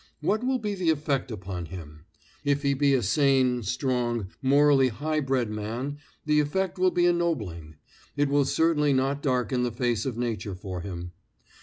What will be the effect upon him? If he be a sane, strong, morally high bred man, the effect will be ennobling; it will certainly not darken the face of nature for him.